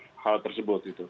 soal hal tersebut itu